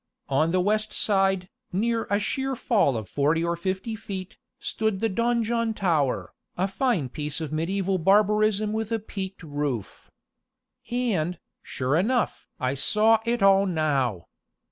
On the west side, near a sheer fall of forty or fifty feet, stood the donjon tower, a fine piece of medieval barbarism with a peaked roof. And, sure enough! I saw it all now.